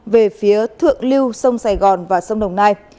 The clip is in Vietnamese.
về phía thượng lưu sông sài gòn và sông đồng nai